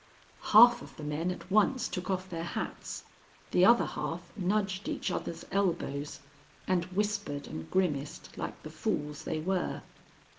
Half of the men at once took off their hats. The other half nudged each other's elbows, and whispered and grimaced like the fools they were.